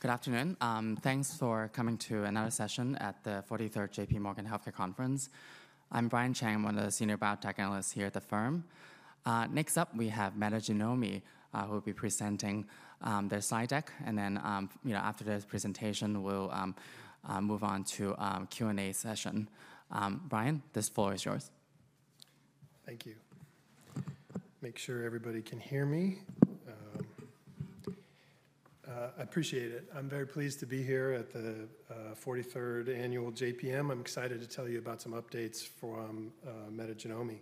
Good afternoon. Thanks for coming to another session at the 43rd JPMorgan Healthcare Conference. I'm Brian Cheng. I'm one of the senior biotech analysts here at the firm. Next up, we have Metagenomi, who will be presenting their slide deck. And then, after their presentation, we'll move on to a Q&A session. Brian, this floor is yours. Thank you. Make sure everybody can hear me. I appreciate it. I'm very pleased to be here at the 43rd annual JPM. I'm excited to tell you about some updates from Metagenomi.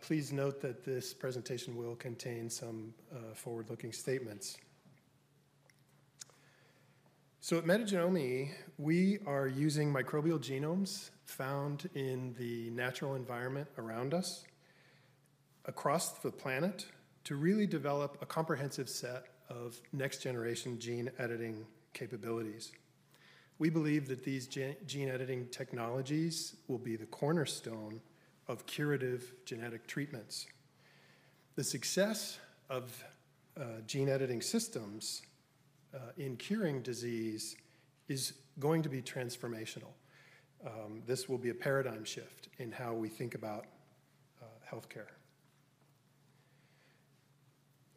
Please note that this presentation will contain some forward-looking statements. So at Metagenomi, we are using microbial genomes found in the natural environment around us, across the planet, to really develop a comprehensive set of next-generation gene-editing capabilities. We believe that these gene-editing technologies will be the cornerstone of curative genetic treatments. The success of gene-editing systems in curing disease is going to be transformational. This will be a paradigm shift in how we think about health care.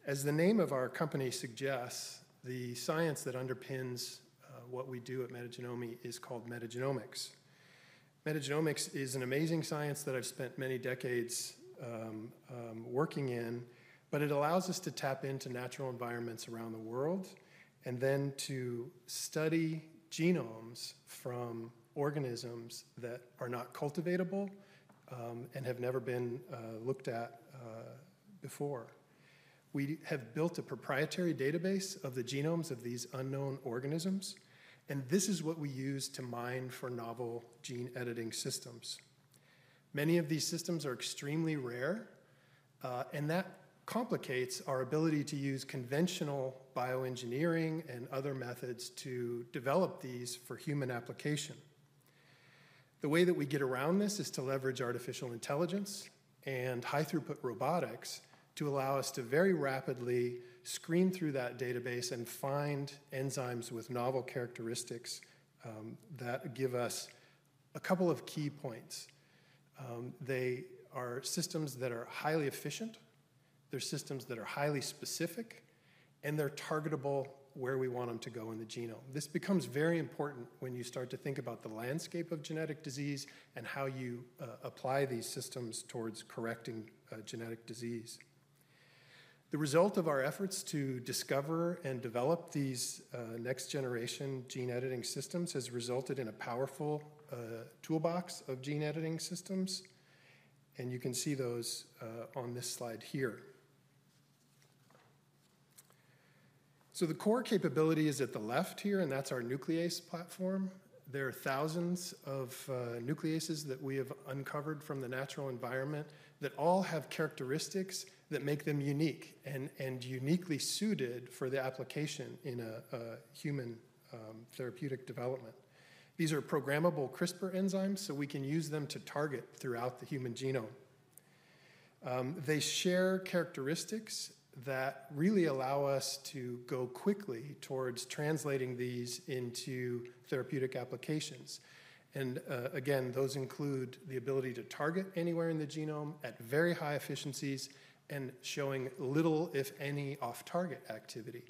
As the name of our company suggests, the science that underpins what we do at Metagenomi is called metagenomics. Metagenomics is an amazing science that I've spent many decades working in, but it allows us to tap into natural environments around the world and then to study genomes from organisms that are not cultivatable and have never been looked at before. We have built a proprietary database of the genomes of these unknown organisms, and this is what we use to mine for novel gene-editing systems. Many of these systems are extremely rare, and that complicates our ability to use conventional bioengineering and other methods to develop these for human application. The way that we get around this is to leverage artificial intelligence and high-throughput robotics to allow us to very rapidly screen through that database and find enzymes with novel characteristics that give us a couple of key points. They are systems that are highly efficient. They're systems that are highly specific, and they're targetable where we want them to go in the genome. This becomes very important when you start to think about the landscape of genetic disease and how you apply these systems towards correcting genetic disease. The result of our efforts to discover and develop these next-generation gene-editing systems has resulted in a powerful toolbox of gene-editing systems, and you can see those on this slide here. So the core capability is at the left here, and that's our nuclease platform. There are thousands of nucleases that we have uncovered from the natural environment that all have characteristics that make them unique and uniquely suited for the application in a human therapeutic development. These are programmable CRISPR enzymes, so we can use them to target throughout the human genome. They share characteristics that really allow us to go quickly towards translating these into therapeutic applications, and again, those include the ability to target anywhere in the genome at very high efficiencies and showing little, if any, off-target activity,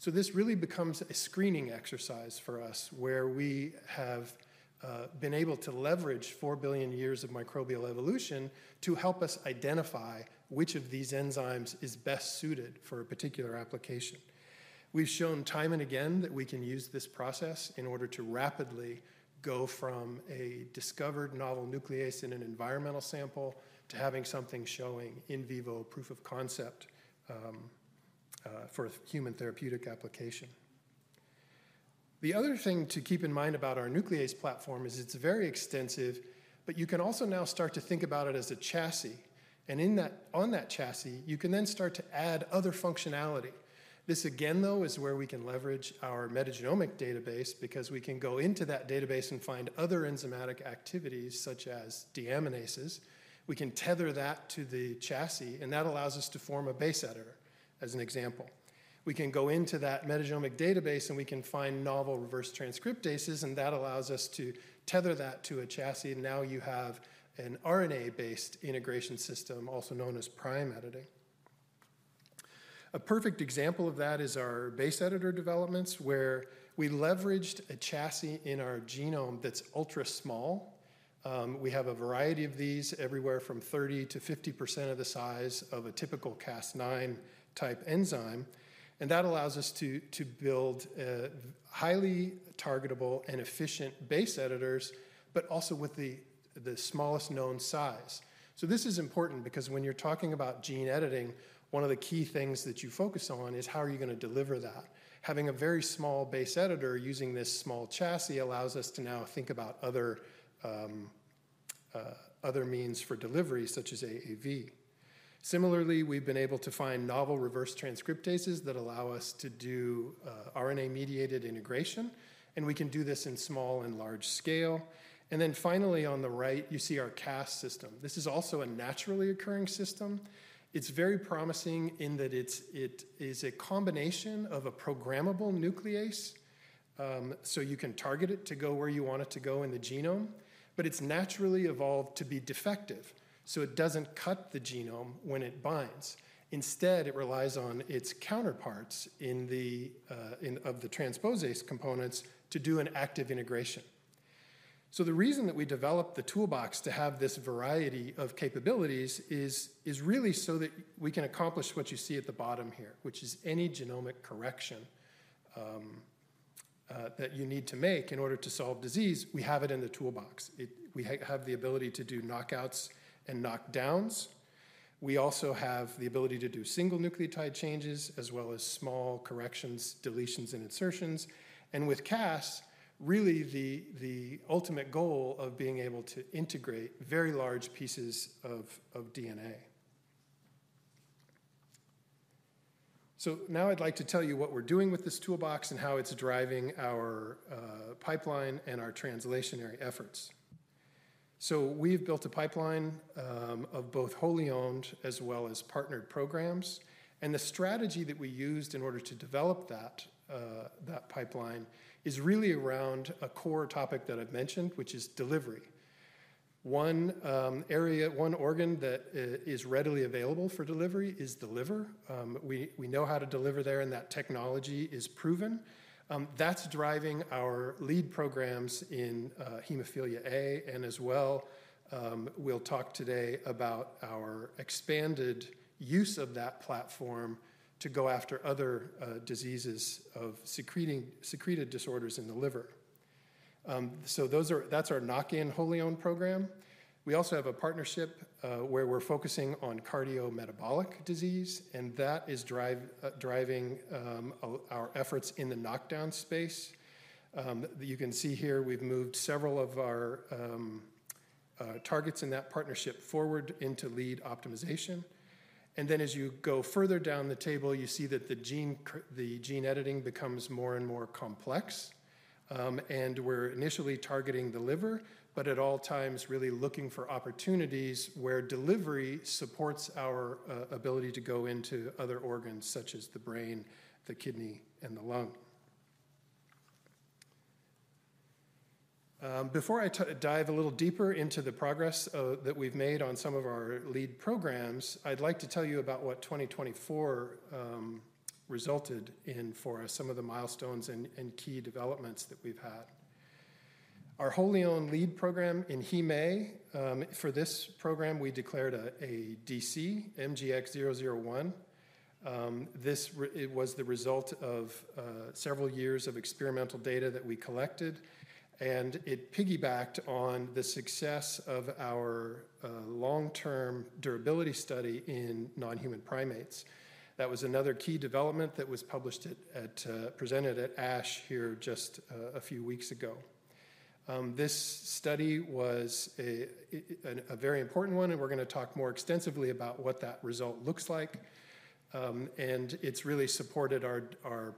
so this really becomes a screening exercise for us where we have been able to leverage four billion years of microbial evolution to help us identify which of these enzymes is best suited for a particular application. We've shown time and again that we can use this process in order to rapidly go from a discovered novel nuclease in an environmental sample to having something showing in vivo proof of concept for a human therapeutic application. The other thing to keep in mind about our nuclease platform is it's very extensive, but you can also now start to think about it as a chassis. On that chassis, you can then start to add other functionality. This, again, though, is where we can leverage our metagenomic database because we can go into that database and find other enzymatic activities, such as deaminases. We can tether that to the chassis, and that allows us to form a base editor, as an example. We can go into that metagenomic database, and we can find novel reverse transcriptases, and that allows us to tether that to a chassis. Now you have an RNA-based integration system, also known as prime editing. A perfect example of that is our base editor developments, where we leveraged a chassis in our genome that's ultra small. We have a variety of these everywhere from 30%-50% of the size of a typical Cas9-type enzyme, and that allows us to build highly targetable and efficient base editors, but also with the smallest known size, so this is important because when you're talking about gene editing, one of the key things that you focus on is how are you going to deliver that. Having a very small base editor using this small chassis allows us to now think about other means for delivery, such as AAV. Similarly, we've been able to find novel reverse transcriptases that allow us to do RNA-mediated integration, and we can do this in small and large scale, and then finally, on the right, you see our CAST system. This is also a naturally occurring system. It's very promising in that it is a combination of a programmable nuclease, so you can target it to go where you want it to go in the genome, but it's naturally evolved to be defective, so it doesn't cut the genome when it binds. Instead, it relies on its counterparts of the transposase components to do an active integration. So the reason that we developed the toolbox to have this variety of capabilities is really so that we can accomplish what you see at the bottom here, which is any genomic correction that you need to make in order to solve disease. We have it in the toolbox. We have the ability to do knockouts and knockdowns. We also have the ability to do single nucleotide changes as well as small corrections, deletions, and insertions. With CAST, really the ultimate goal of being able to integrate very large pieces of DNA. Now I'd like to tell you what we're doing with this toolbox and how it's driving our pipeline and our translational efforts. We've built a pipeline of both wholly owned as well as partnered programs. The strategy that we used in order to develop that pipeline is really around a core topic that I've mentioned, which is delivery. One organ that is readily available for delivery is liver. We know how to deliver there, and that technology is proven. That's driving our lead programs in hemophilia A, and as well, we'll talk today about our expanded use of that platform to go after other diseases of secreted disorders in the liver. That's our knock-in wholly owned program. We also have a partnership where we're focusing on cardiometabolic disease, and that is driving our efforts in the knockdown space. You can see here we've moved several of our targets in that partnership forward into lead optimization. And then as you go further down the table, you see that the gene editing becomes more and more complex. And we're initially targeting the liver, but at all times really looking for opportunities where delivery supports our ability to go into other organs, such as the brain, the kidney, and the lung. Before I dive a little deeper into the progress that we've made on some of our lead programs, I'd like to tell you about what 2024 resulted in for us, some of the milestones and key developments that we've had. Our wholly owned lead program in HemA. For this program, we declared a DC, MGX-001. This was the result of several years of experimental data that we collected, and it piggybacked on the success of our long-term durability study in non-human primates. That was another key development that was presented at ASH here just a few weeks ago. This study was a very important one, and we're going to talk more extensively about what that result looks like, and it's really supported our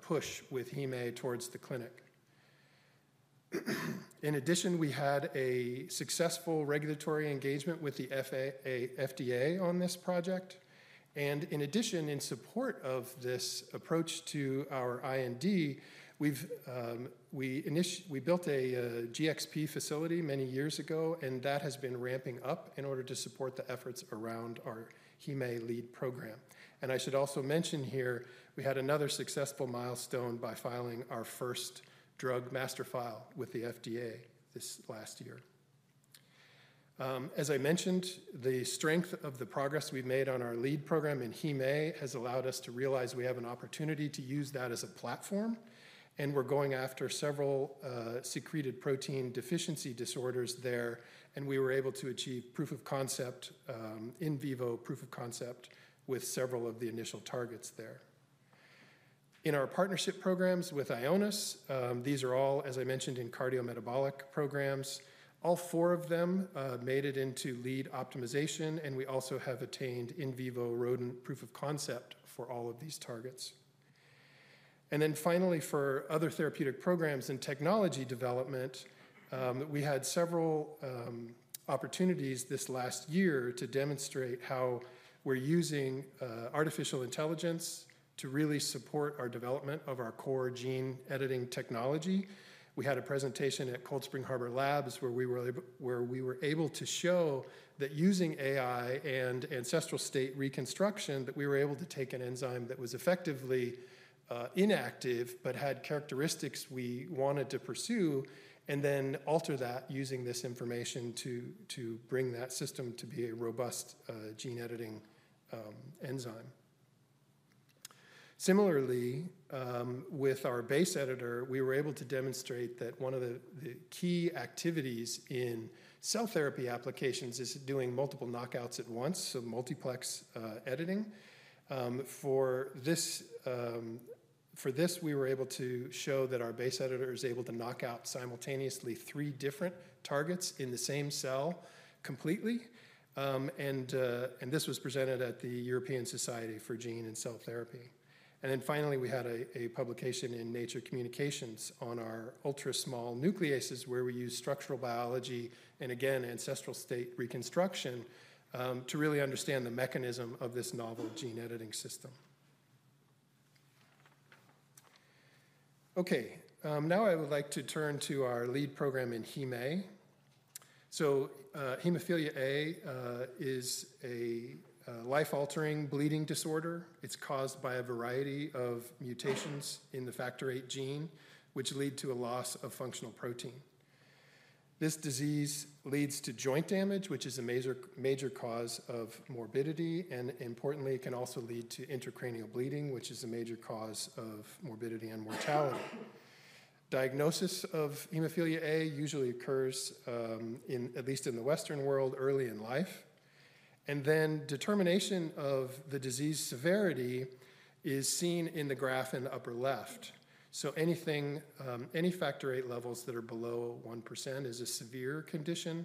push with hemophilia A towards the clinic. In addition, we had a successful regulatory engagement with the FDA on this project, and in addition, in support of this approach to our IND, we built a GxP facility many years ago, and that has been ramping up in order to support the efforts around our hemophilia A lead program. And I should also mention here, we had another successful milestone by filing our first drug master file with the FDA this last year. As I mentioned, the strength of the progress we've made on our lead program in HemA has allowed us to realize we have an opportunity to use that as a platform. And we're going after several secreted protein deficiency disorders there, and we were able to achieve proof of concept, in vivo proof of concept, with several of the initial targets there. In our partnership programs with Ionis, these are all, as I mentioned, in cardiometabolic programs. All four of them made it into lead optimization, and we also have attained in vivo rodent proof of concept for all of these targets. And then finally, for other therapeutic programs and technology development, we had several opportunities this last year to demonstrate how we're using artificial intelligence to really support our development of our core gene-editing technology. We had a presentation at Cold Spring Harbor Labs where we were able to show that using AI and ancestral state reconstruction, that we were able to take an enzyme that was effectively inactive, but had characteristics we wanted to pursue, and then alter that using this information to bring that system to be a robust gene-editing enzyme. Similarly, with our base editor, we were able to demonstrate that one of the key activities in cell therapy applications is doing multiple knockouts at once, so multiplex editing. For this, we were able to show that our base editor is able to knock out simultaneously three different targets in the same cell completely, and this was presented at the European Society for Gene and Cell Therapy. And then finally, we had a publication in Nature Communications on our ultra small nucleases, where we use structural biology and, again, ancestral state reconstruction to really understand the mechanism of this novel gene-editing system. Okay, now I would like to turn to our lead program in hemophilia A. So hemophilia A is a life-altering bleeding disorder. It's caused by a variety of mutations in Factor VIII gene, which lead to a loss of functional protein. This disease leads to joint damage, which is a major cause of morbidity, and importantly, it can also lead to intracranial bleeding, which is a major cause of morbidity and mortality. Diagnosis of hemophilia A usually occurs, at least in the Western world, early in life. And then determination of the disease severity is seen in the graph in the upper left. So any Factor VIII levels that are below 1% is a severe condition.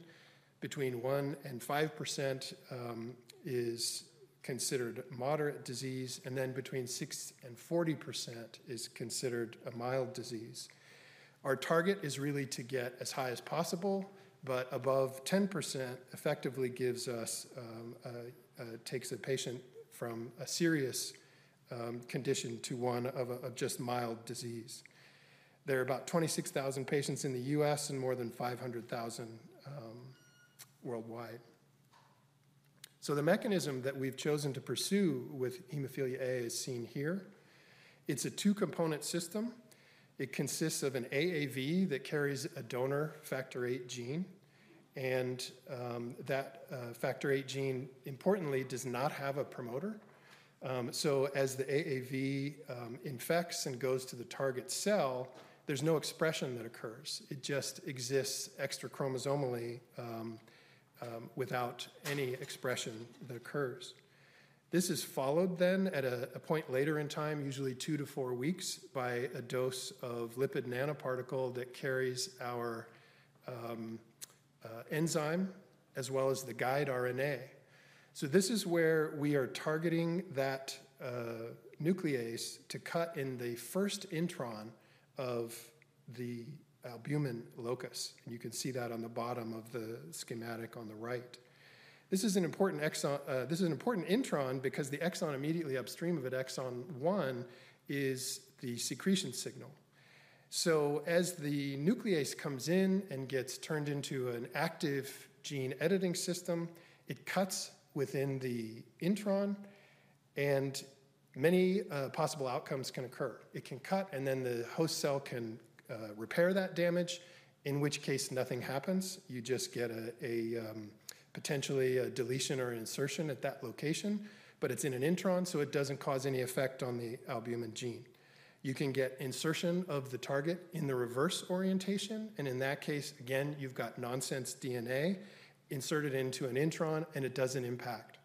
Between 1% and 5% is considered moderate disease, and then between 6% and 40% is considered a mild disease. Our target is really to get as high as possible, but above 10% effectively takes a patient from a serious condition to one of just mild disease. There are about 26,000 patients in the U.S. and more than 500,000 worldwide. So the mechanism that we've chosen to pursue with hemophilia A is seen here. It's a two-component system. It consists of an AAV that carries a donor Factor VIII gene, and that Factor VIII gene, importantly, does not have a promoter. So as the AAV infects and goes to the target cell, there's no expression that occurs. It just exists extrachromosomally without any expression that occurs. This is followed then at a point later in time, usually two to four weeks, by a dose of lipid nanoparticle that carries our enzyme as well as the guide RNA. So this is where we are targeting that nuclease to cut in the first intron of the albumin locus. And you can see that on the bottom of the schematic on the right. This is an important intron because the exon immediately upstream of it, exon one, is the secretion signal. So as the nuclease comes in and gets turned into an active gene-editing system, it cuts within the intron, and many possible outcomes can occur. It can cut, and then the host cell can repair that damage, in which case nothing happens. You just get potentially a deletion or insertion at that location, but it's in an intron, so it doesn't cause any effect on the albumin gene. You can get insertion of the target in the reverse orientation, and in that case, again, you've got nonsense DNA inserted into an intron, and it doesn't impact.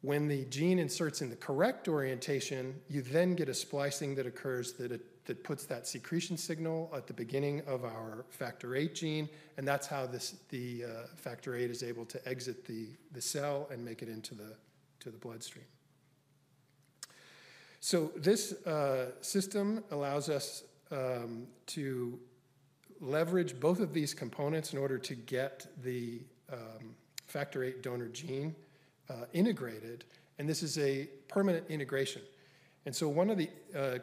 When the gene inserts in the correct orientation, you then get a splicing that occurs that puts that secretion signal at the beginning of our Factor VIII gene, and that's how the Factor VIII is able to exit the cell and make it into the bloodstream. So this system allows us to leverage both of these components in order to get the Factor VIII donor gene integrated, and this is a permanent integration. And so one of the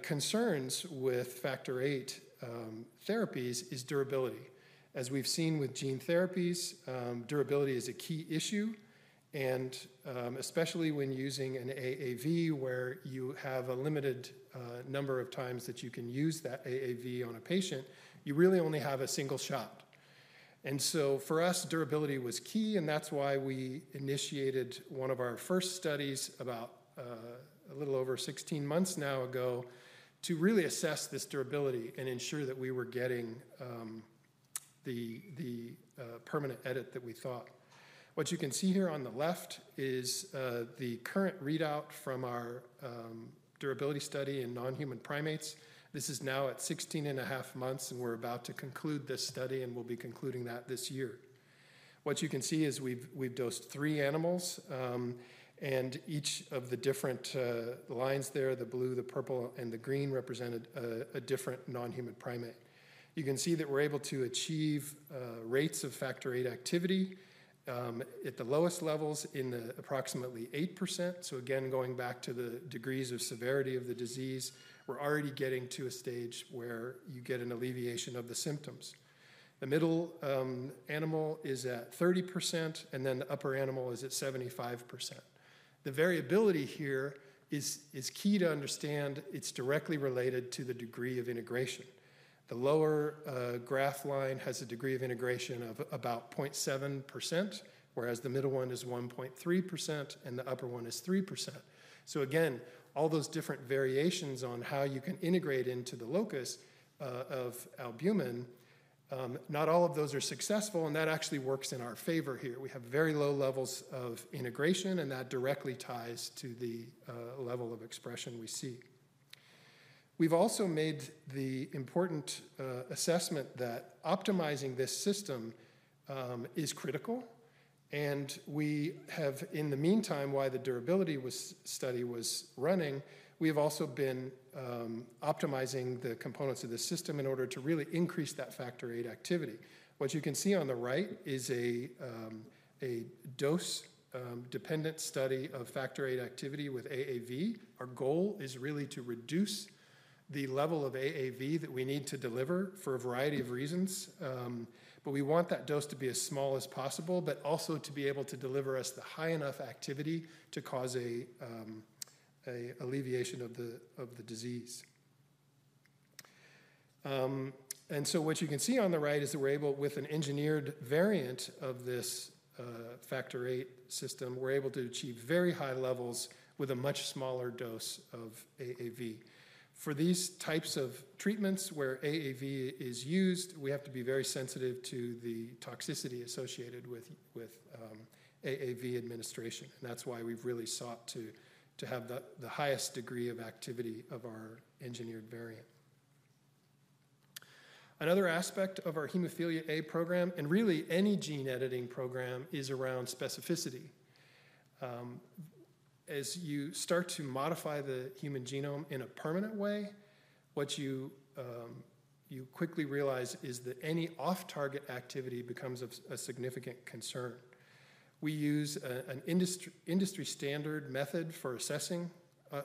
concerns with Factor VIII therapies is durability. As we've seen with gene therapies, durability is a key issue, and especially when using an AAV where you have a limited number of times that you can use that AAV on a patient, you really only have a single shot, and so for us, durability was key, and that's why we initiated one of our first studies about a little over 16 months now ago to really assess this durability and ensure that we were getting the permanent edit that we thought. What you can see here on the left is the current readout from our durability study in non-human primates. This is now at 16 and a half months, and we're about to conclude this study, and we'll be concluding that this year. What you can see is we've dosed three animals, and each of the different lines there, the blue, the purple, and the green, represented a different non-human primate. You can see that we're able to achieve rates of Factor VIII activity at the lowest levels in approximately 8%. So again, going back to the degrees of severity of the disease, we're already getting to a stage where you get an alleviation of the symptoms. The middle animal is at 30%, and then the upper animal is at 75%. The variability here is key to understand it's directly related to the degree of integration. The lower graph line has a degree of integration of about 0.7%, whereas the middle one is 1.3%, and the upper one is 3%. So again, all those different variations on how you can integrate into the locus of albumin, not all of those are successful, and that actually works in our favor here. We have very low levels of integration, and that directly ties to the level of expression we see. We've also made the important assessment that optimizing this system is critical, and we have, in the meantime, while the durability study was running, we have also been optimizing the components of the system in order to really increase that Factor VIII activity. What you can see on the right is a dose-dependent study of Factor VIII activity with AAV. Our goal is really to reduce the level of AAV that we need to deliver for a variety of reasons, but we want that dose to be as small as possible, but also to be able to deliver us the high enough activity to cause an alleviation of the disease. And so what you can see on the right is that we're able, with an engineered variant of this Factor VIII system, we're able to achieve very high levels with a much smaller dose of AAV. For these types of treatments where AAV is used, we have to be very sensitive to the toxicity associated with AAV administration, and that's why we've really sought to have the highest degree of activity of our engineered variant. Another aspect of our hemophilia A program, and really any gene-editing program, is around specificity. As you start to modify the human genome in a permanent way, what you quickly realize is that any off-target activity becomes a significant concern. We use an industry-standard method for assessing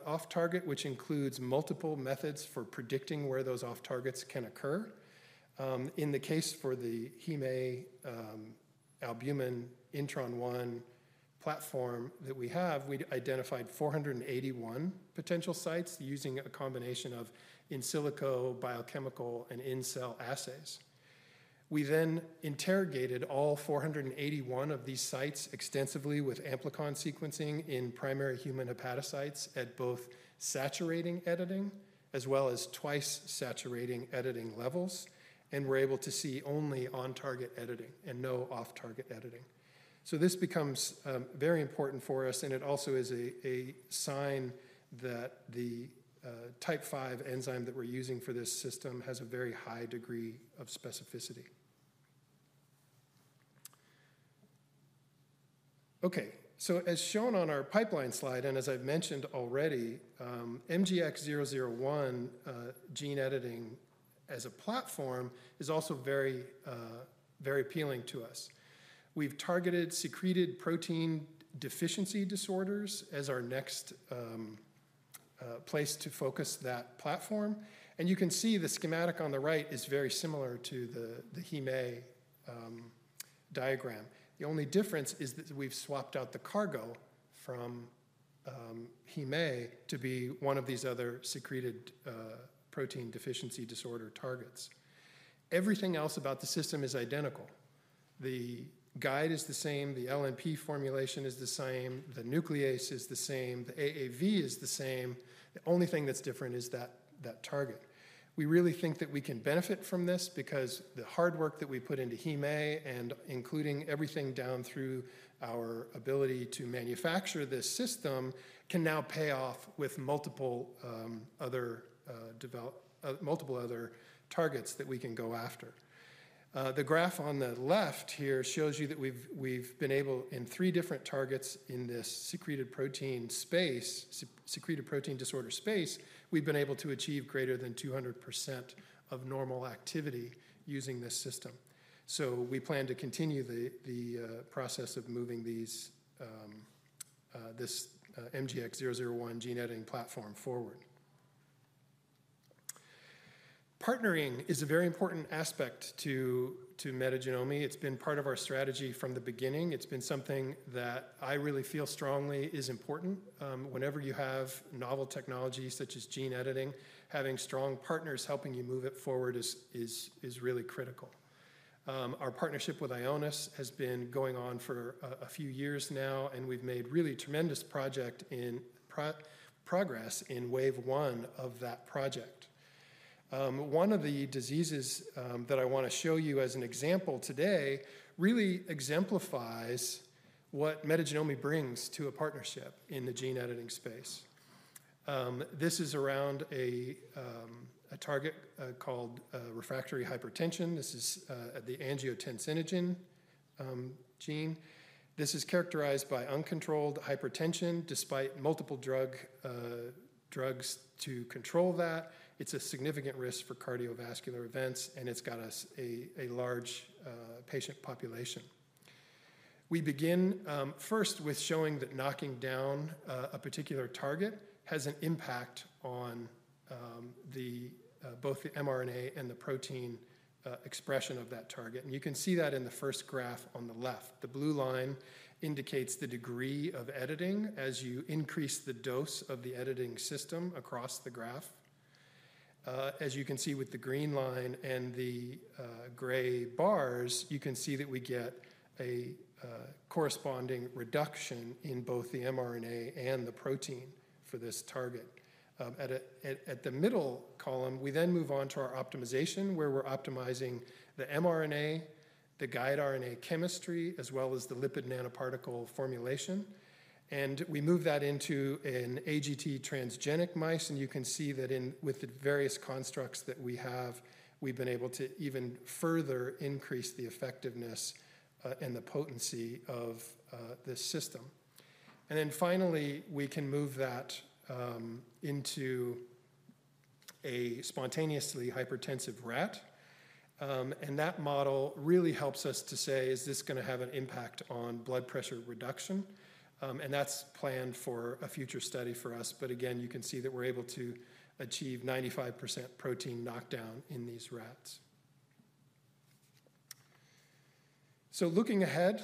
off-target, which includes multiple methods for predicting where those off-targets can occur. In the case for the HemA albumin intron one platform that we have, we identified 481 potential sites using a combination of in silico biochemical and in-cell assays. We then interrogated all 481 of these sites extensively with amplicon sequencing in primary human hepatocytes at both saturating editing as well as twice saturating editing levels, and we're able to see only on-target editing and no off-target editing. So this becomes very important for us, and it also is a sign that the type V enzyme that we're using for this system has a very high degree of specificity. Okay, so as shown on our pipeline slide, and as I've mentioned already, MGX-001 gene editing as a platform is also very appealing to us. We've targeted secreted protein deficiency disorders as our next place to focus that platform, and you can see the schematic on the right is very similar to the HemA diagram. The only difference is that we've swapped out the cargo from HemA to be one of these other secreted protein deficiency disorder targets. Everything else about the system is identical. The guide is the same, the LNP formulation is the same, the nuclease is the same, the AAV is the same. The only thing that's different is that target. We really think that we can benefit from this because the hard work that we put into HemA, including everything down through our ability to manufacture this system, can now pay off with multiple other targets that we can go after. The graph on the left here shows you that we've been able, in three different targets in this secreted protein space, secreted protein disorder space, we've been able to achieve greater than 200% of normal activity using this system. So we plan to continue the process of moving this MGX-001 gene editing platform forward. Partnering is a very important aspect to Metagenomi. It's been part of our strategy from the beginning. It's been something that I really feel strongly is important. Whenever you have novel technologies such as gene editing, having strong partners helping you move it forward is really critical. Our partnership with Ionis has been going on for a few years now, and we've made really tremendous progress in wave one of that project. One of the diseases that I want to show you as an example today really exemplifies what Metagenomi brings to a partnership in the gene editing space. This is around a target called refractory hypertension. This is the angiotensinogen gene. This is characterized by uncontrolled hypertension despite multiple drugs to control that. It's a significant risk for cardiovascular events, and it's got us a large patient population. We begin first with showing that knocking down a particular target has an impact on both the mRNA and the protein expression of that target, and you can see that in the first graph on the left. The blue line indicates the degree of editing as you increase the dose of the editing system across the graph. As you can see with the green line and the gray bars, you can see that we get a corresponding reduction in both the mRNA and the protein for this target. At the middle column, we then move on to our optimization where we're optimizing the mRNA, the guide RNA chemistry, as well as the lipid nanoparticle formulation, and we move that into an AGT transgenic mice, and you can see that with the various constructs that we have, we've been able to even further increase the effectiveness and the potency of this system, and then finally, we can move that into a spontaneously hypertensive rat, and that model really helps us to say, is this going to have an impact on blood pressure reduction, and that's planned for a future study for us, but again, you can see that we're able to achieve 95% protein knockdown in these rats. Looking ahead,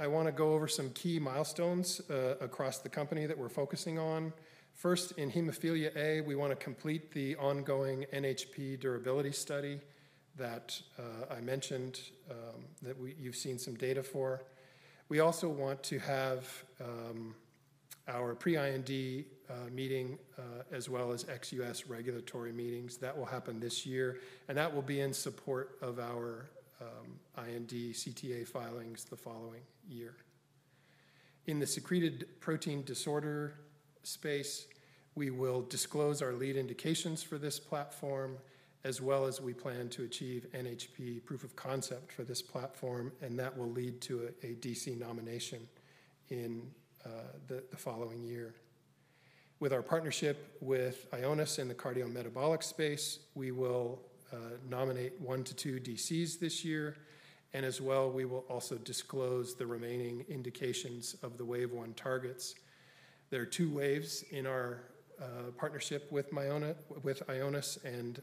I want to go over some key milestones across the company that we're focusing on. First, in hemophilia A, we want to complete the ongoing NHP durability study that I mentioned that you've seen some data for. We also want to have our pre-IND meeting as well as ex-U.S. regulatory meetings. That will happen this year, and that will be in support of our IND/CTA filings the following year. In the secreted protein disorder space, we will disclose our lead indications for this platform, as well as we plan to achieve NHP proof of concept for this platform, and that will lead to a DC nomination in the following year. With our partnership with Ionis in the cardiometabolic space, we will nominate one to two DCs this year, and as well, we will also disclose the remaining indications of the wave one targets. There are two waves in our partnership with Ionis, and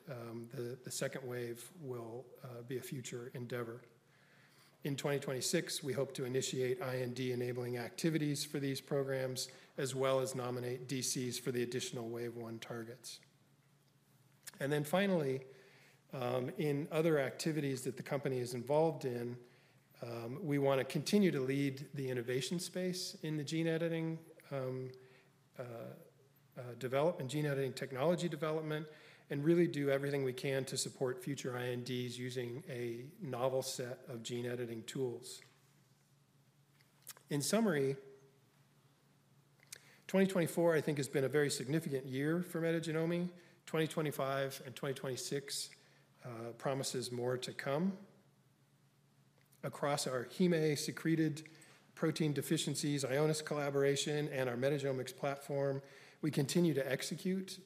the second wave will be a future endeavor. In 2026, we hope to initiate IND-enabling activities for these programs, as well as nominate DCs for the additional wave one targets, and then finally, in other activities that the company is involved in, we want to continue to lead the innovation space in the gene editing development, gene editing technology development, and really do everything we can to support future INDs using a novel set of gene editing tools. In summary, 2024, I think, has been a very significant year for Metagenomi. 2025 and 2026 promises more to come. Across our hemophilia secreted protein deficiencies, Ionis collaboration, and our metagenomics platform, we continue to execute.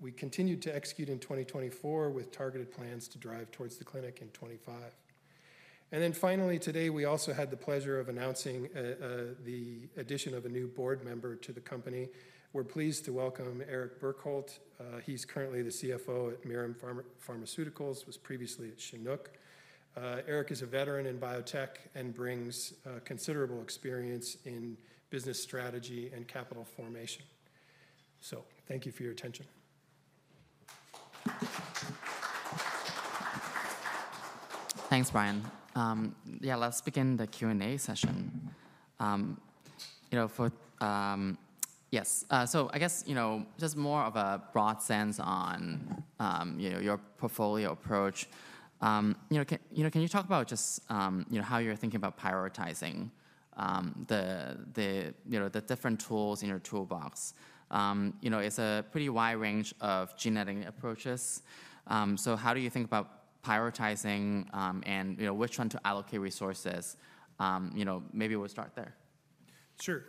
We continued to execute in 2024 with targeted plans to drive towards the clinic in 2025. And then finally, today, we also had the pleasure of announcing the addition of a new board member to the company. We're pleased to welcome Eric Bjerkholt. He's currently the CFO at Mirum Pharmaceuticals, was previously at Chinook. Eric is a veteran in biotech and brings considerable experience in business strategy and capital formation. So thank you for your attention. Thanks, Brian. Yeah, let's begin the Q&A session. Yes, so I guess just more of a broad sense on your portfolio approach. Can you talk about just how you're thinking about prioritizing the different tools in your toolbox? It's a pretty wide range of gene editing approaches. So how do you think about prioritizing and which one to allocate resources? Maybe we'll start there. Sure,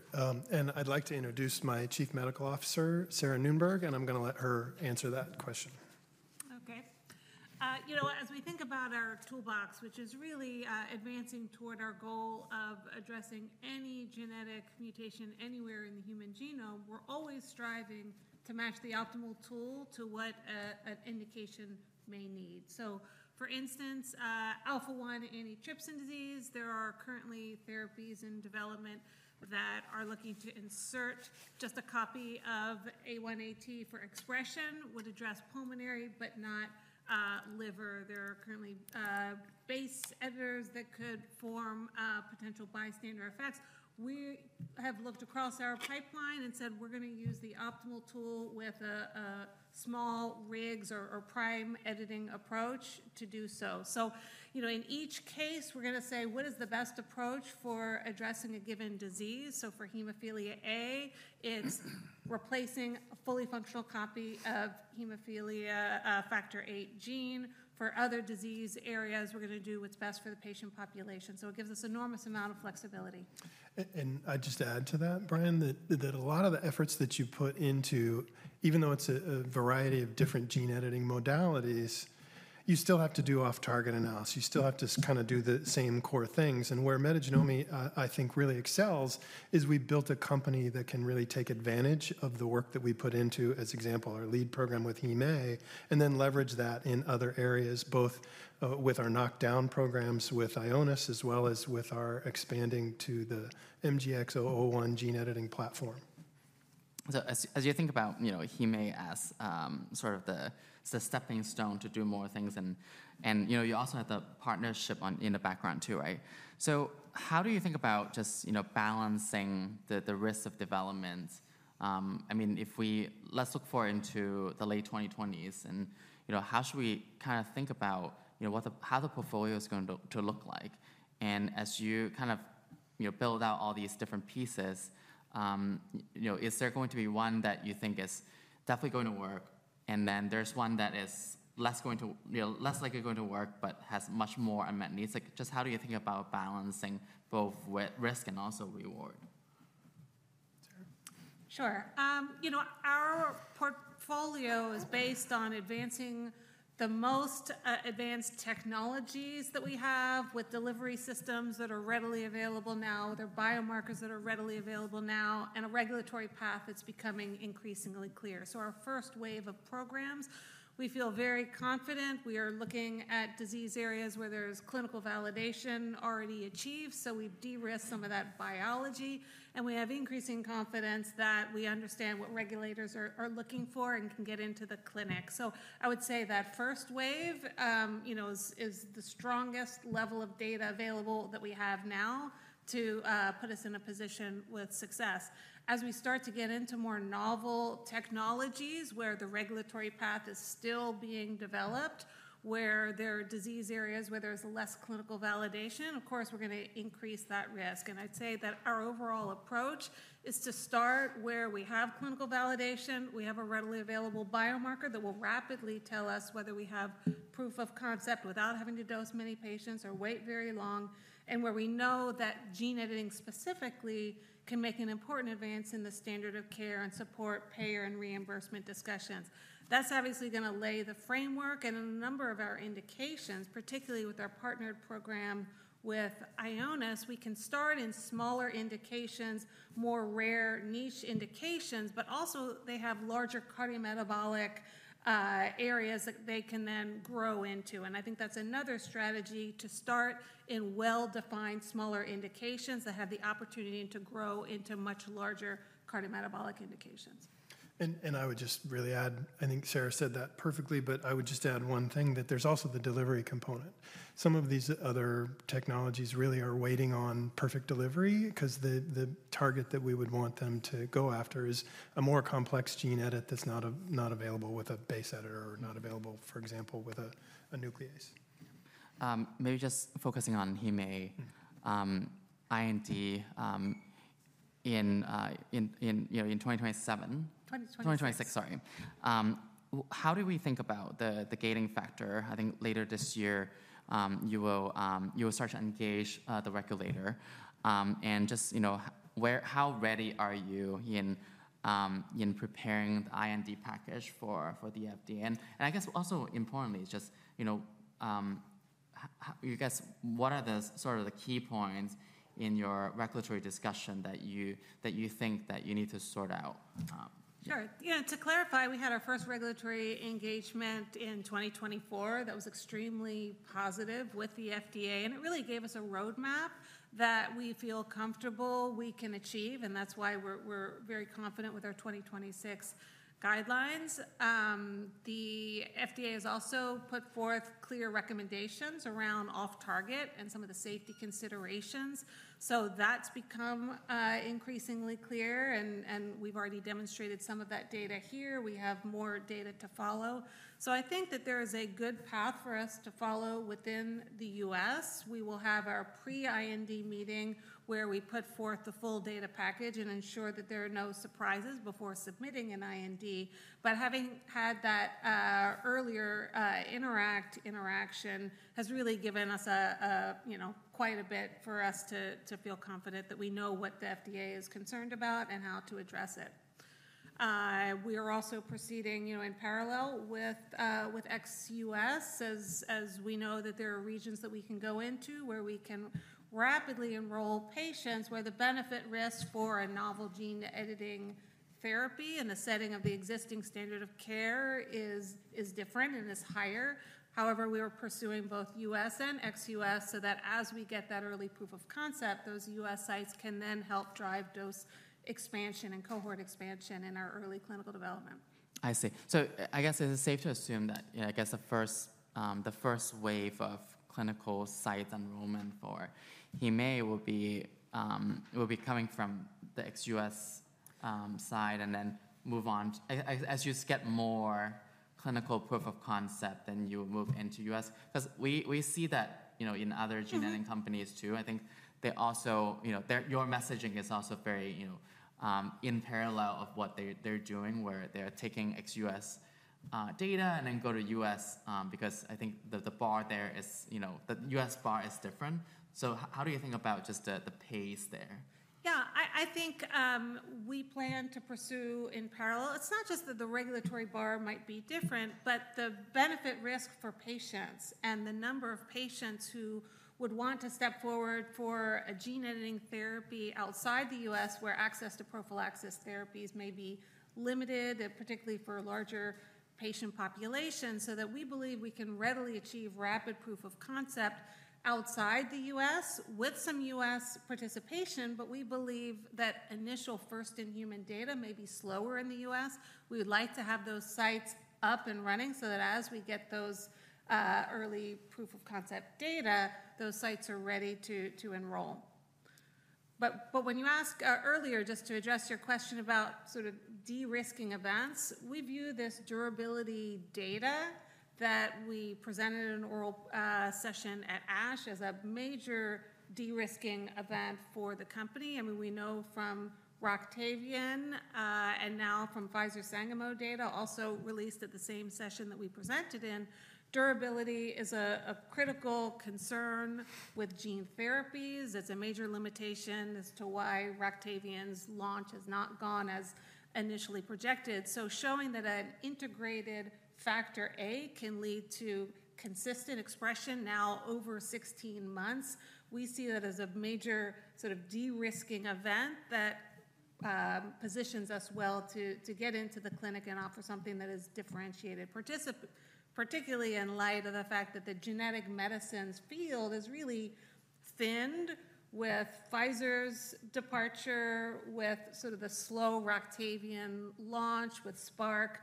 and I'd like to introduce my Chief Medical Officer, Sarah Noonberg, and I'm going to let her answer that question. Okay, you know what? As we think about our toolbox, which is really advancing toward our goal of addressing any genetic mutation anywhere in the human genome, we're always striving to match the optimal tool to what an indication may need. So for instance, Alpha-1 antitrypsin disease, there are currently therapies in development that are looking to insert just a copy of A1AT for expression. It would address pulmonary, but not liver. There are currently base editors that could form potential bystander effects. We have looked across our pipeline and said we're going to use the optimal tool with a small RIGS or prime editing approach to do so. So in each case, we're going to say what is the best approach for addressing a given disease. So for hemophilia A, it's replacing a fully functional copy of hemophilia Factor VIII gene. For other disease areas, we're going to do what's best for the patient population, so it gives us an enormous amount of flexibility. I'd just add to that, Brian, that a lot of the efforts that you put into, even though it's a variety of different gene editing modalities, you still have to do off-target analysis. You still have to kind of do the same core things. Where Metagenomi, I think, really excels is we built a company that can really take advantage of the work that we put into, as example, our lead program with HemA, and then leverage that in other areas, both with our knockdown programs with Ionis as well as with our expanding to the MGX-001 gene editing platform. So as you think about HemA as sort of the stepping stone to do more things, and you also have the partnership in the background too, right? So how do you think about just balancing the risks of development? I mean, let's look forward into the late 2020s, and how should we kind of think about how the portfolio is going to look like? And as you kind of build out all these different pieces, is there going to be one that you think is definitely going to work, and then there's one that is less likely going to work, but has much more unmet needs? Just how do you think about balancing both risk and also reward? Sure. Our portfolio is based on advancing the most advanced technologies that we have with delivery systems that are readily available now, with our biomarkers that are readily available now, and a regulatory path that's becoming increasingly clear. So our first wave of programs, we feel very confident. We are looking at disease areas where there's clinical validation already achieved, so we de-risk some of that biology, and we have increasing confidence that we understand what regulators are looking for and can get into the clinic. So I would say that first wave is the strongest level of data available that we have now to put us in a position with success. As we start to get into more novel technologies where the regulatory path is still being developed, where there are disease areas where there's less clinical validation, of course, we're going to increase that risk. And I'd say that our overall approach is to start where we have clinical validation, we have a readily available biomarker that will rapidly tell us whether we have proof of concept without having to dose many patients or wait very long, and where we know that gene editing specifically can make an important advance in the standard of care and support payer and reimbursement discussions. That's obviously going to lay the framework, and in a number of our indications, particularly with our partnered program with Ionis, we can start in smaller indications, more rare niche indications, but also they have larger cardiometabolic areas that they can then grow into. And I think that's another strategy to start in well-defined smaller indications that have the opportunity to grow into much larger cardiometabolic indications. I would just really add, I think Sarah said that perfectly, but I would just add one thing that there's also the delivery component. Some of these other technologies really are waiting on perfect delivery because the target that we would want them to go after is a more complex gene edit that's not available with a base editor or not available, for example, with a nuclease. Maybe just focusing on HemA, IND in 2027. 2026. 2026, sorry. How do we think about the gating factor? I think later this year, you will start to engage the regulator. And just how ready are you in preparing the IND package for the FDA? And I guess also importantly, just you guess, what are the sort of key points in your regulatory discussion that you think that you need to sort out? Sure. You know, to clarify, we had our first regulatory engagement in 2024 that was extremely positive with the FDA, and it really gave us a roadmap that we feel comfortable we can achieve, and that's why we're very confident with our 2026 guidelines. The FDA has also put forth clear recommendations around off-target and some of the safety considerations. So that's become increasingly clear, and we've already demonstrated some of that data here. We have more data to follow. So I think that there is a good path for us to follow within the U.S. We will have our pre-IND meeting where we put forth the full data package and ensure that there are no surprises before submitting an IND. But having had that earlier interaction has really given us quite a bit for us to feel confident that we know what the FDA is concerned about and how to address it. We are also proceeding in parallel with ex-US, as we know that there are regions that we can go into where we can rapidly enroll patients where the benefit-risk for a novel gene editing therapy in the setting of the existing standard of care is different and is higher. However, we are pursuing both U.S. and ex-U.S. so that as we get that early proof of concept, those U.S. sites can then help drive dose expansion and cohort expansion in our early clinical development. I see. So I guess it is safe to assume that, I guess, the first wave of clinical site enrollment for hemophilia A will be coming from the ex-U.S. side and then move on as you get more clinical proof of concept then you move into the U.S. Because we see that in other gene editing companies too. I think your messaging is also very in parallel of what they're doing, where they're taking ex-U.S. data and then go to the U.S. because I think the bar there is the U.S. bar is different. So how do you think about just the pace there? Yeah, I think we plan to pursue in parallel. It's not just that the regulatory bar might be different, but the benefit-risk for patients and the number of patients who would want to step forward for a gene editing therapy outside the U.S. where access to prophylaxis therapies may be limited, particularly for a larger patient population, so that we believe we can readily achieve rapid proof of concept outside the U.S. with some U.S. participation, but we believe that initial first-in-human data may be slower in the U.S. We would like to have those sites up and running so that as we get those early proof of concept data, those sites are ready to enroll. But when you ask earlier, just to address your question about sort of de-risking events, we view this durability data that we presented in an oral session at ASH as a major de-risking event for the company. I mean, we know from ROCTAVIAN and now from Pfizer-Sangamo data, also released at the same session that we presented in, durability is a critical concern with gene therapies. It's a major limitation as to why ROCTAVIAN's launch has not gone as initially projected. Showing that an integrated Factor VIII can lead to consistent expression now over 16 months, we see that as a major sort of de-risking event that positions us well to get into the clinic and offer something that is differentiated, particularly in light of the fact that the genetic medicines field is really thinned with Pfizer's departure, with sort of the slow ROCTAVIAN launch, with Spark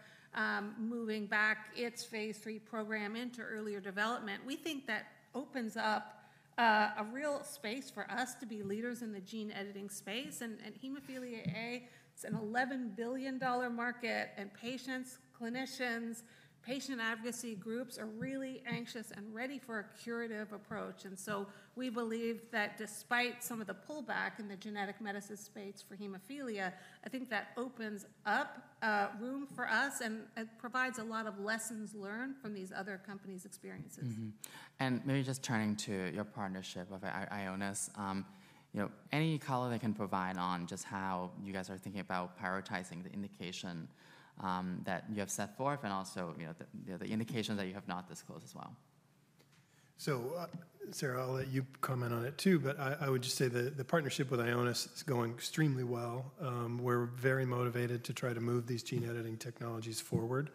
moving back its phase III program into earlier development. We think that opens up a real space for us to be leaders in the gene editing space. Hemophilia A, it's an $11 billion market, and patients, clinicians, patient advocacy groups are really anxious and ready for a curative approach. And so we believe that despite some of the pullback in the genetic medicine space for hemophilia, I think that opens up room for us and provides a lot of lessons learned from these other companies' experiences. Maybe just turning to your partnership with Ionis, any color they can provide on just how you guys are thinking about prioritizing the indication that you have set forth and also the indication that you have not disclosed as well? So Sarah, I'll let you comment on it too, but I would just say the partnership with Ionis is going extremely well. We're very motivated to try to move these gene editing technologies forward.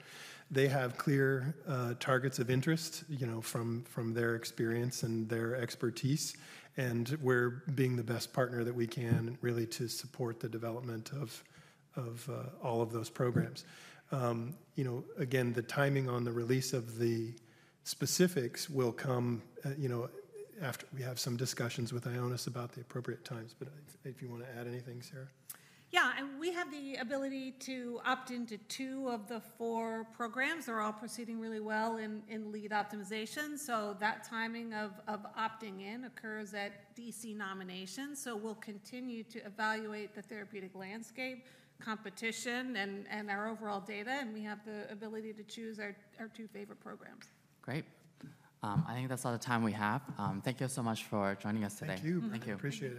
They have clear targets of interest from their experience and their expertise, and we're being the best partner that we can really to support the development of all of those programs. Again, the timing on the release of the specifics will come after we have some discussions with Ionis about the appropriate times. But if you want to add anything, Sarah. Yeah, we have the ability to opt into two of the four programs. They're all proceeding really well in lead optimization. So that timing of opting in occurs at DC nomination. So we'll continue to evaluate the therapeutic landscape, competition, and our overall data, and we have the ability to choose our two favorite programs. Great. I think that's all the time we have. Thank you so much for joining us today. Thank you. Appreciate it.